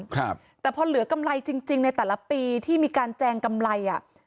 ครับแต่พอเหลือกำไรจริงจริงในแต่ละปีที่มีการแจงกำไรอ่ะ